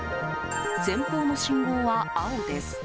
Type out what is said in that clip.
前方の信号は青です。